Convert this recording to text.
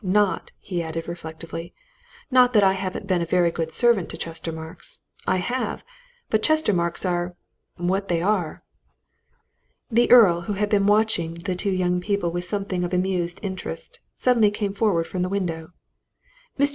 Not," he added reflectively, "not that I haven't been a very good servant to Chestermarke's. I have! But Chestermarkes are what they are!" The Earl, who had been watching the two young people with something of amused interest, suddenly came forward from the window. "Mr.